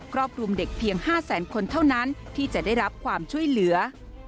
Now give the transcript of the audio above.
รอบรวมเด็กเพียง๕แสนคนเท่านั้นที่จะได้รับความช่วยเหลือ